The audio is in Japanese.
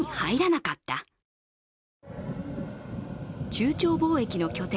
中朝貿易の拠点